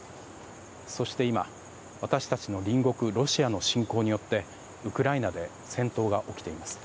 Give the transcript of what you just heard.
そして今私たちの隣国、ロシアの侵攻によってウクライナで戦闘が起きています。